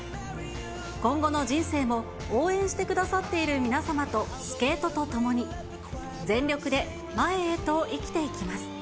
今後の人生も、応援してくださっている皆様とスケートとともに、全力で前へと生きていきます。